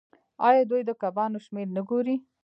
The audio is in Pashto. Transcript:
آیا دوی د کبانو شمیر نه ګوري؟